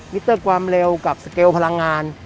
มิเตอร์ความเร็วกับสเกลพลังงาน